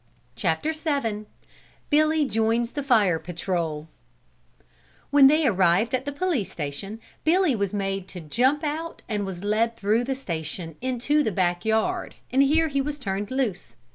Billy Joins the Fire Patrol When they arrived at the police station Billy was made to jump out and was led through the station into the back yard, and here he was turned loose.